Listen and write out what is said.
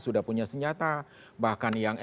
sudah punya senjata bahkan yang